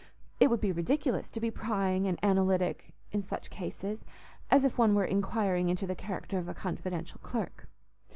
It would be ridiculous to be prying and analytic in such cases, as if one were inquiring into the character of a confidential clerk.